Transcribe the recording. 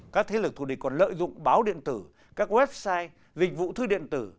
các thế lực thù địch còn lợi dụng báo điện tử các website dịch vụ thư điện tử